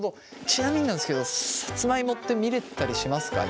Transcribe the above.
ちなみになんですけどさつまいもって見れたりしますか？